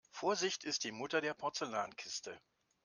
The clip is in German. Vorsicht ist die Mutter der Porzellankiste.